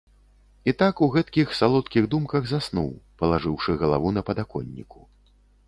І так у гэткіх салодкіх думках заснуў, палажыўшы галаву на падаконніку.